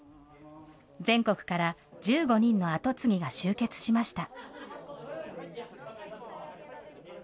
全国から１５人の後継ぎが集結しました。